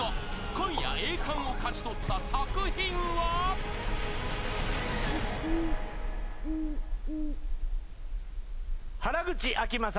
今夜栄冠を勝ち取った作品は］原口あきまさ。